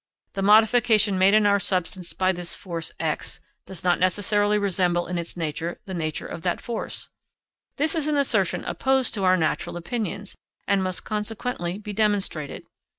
The modification made in our substance by this force X does not necessarily resemble in its nature the nature of that force. This is an assertion opposed to our natural opinions, and must consequently be demonstrated.